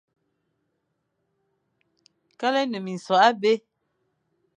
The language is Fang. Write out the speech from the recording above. Kal e a ne minsokh abî,